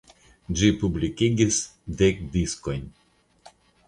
Ĝi publikigis dek diskojn.